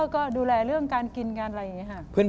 ก็ดูแลเรื่องการกินกันอะไรอย่างนี้ค่ะ